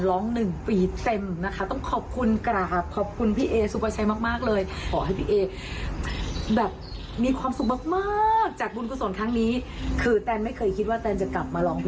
ร้องเพลงให้แฟนเพลงมีความสุขทั่วประเทศค่ะ